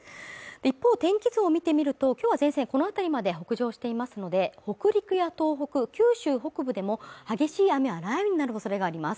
一方天気図を見てみると今日は前線このあたりまで北上していますので、北陸や東北、九州北部でも激しい雨や雷雨になるおそれがあります。